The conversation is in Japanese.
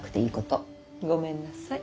ごめんなさい。